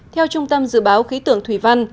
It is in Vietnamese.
theo trung tâm dự báo khí tưởng thủy văn